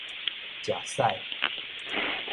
食屎